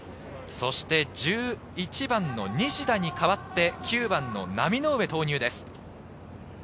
１１番の西田に代わって、９番・浪上投入です。